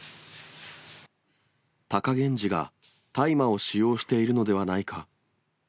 貴源治が大麻を使用しているのではないか。